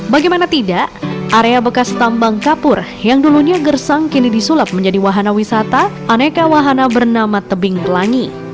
bagaimana tidak area bekas tambang kapur yang dulunya gersang kini disulap menjadi wahana wisata aneka wahana bernama tebing pelangi